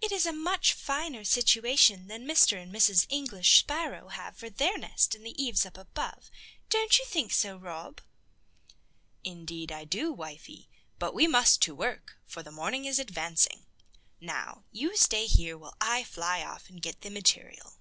"It is a much finer situation than Mr. and Mrs. English Sparrow have for their nest in the eaves up above. Don't you think so, Rob?" "Indeed I do, wifey; but we must to work, for the morning is advancing. Now, you stay here, while I fly off and get the material."